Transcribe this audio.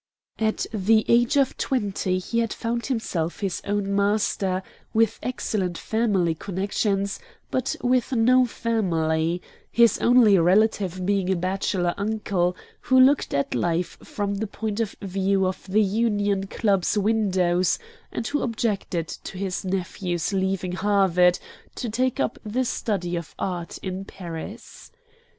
At the age of twenty he had found himself his own master, with excellent family connections, but with no family, his only relative being a bachelor uncle, who looked at life from the point of view of the Union Club's windows, and who objected to his nephew's leaving Harvard to take up the study of art in Paris.